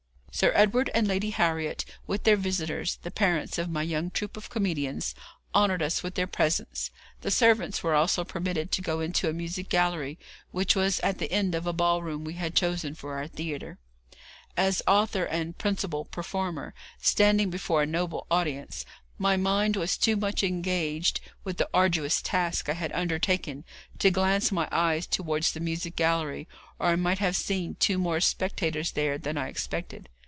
Sir Edward and Lady Harriet, with their visitors, the parents of my young troop of comedians, honoured us with their presence. The servants were also permitted to go into a music gallery, which was at the end of a ball room we had chosen for our theatre. As author and principal performer, standing before a noble audience, my mind was too much engaged with the arduous task I had undertaken to glance my eyes towards the music gallery, or I might have seen two more spectators there than I expected.